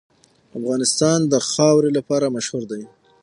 افغانستان د خاوره لپاره مشهور دی.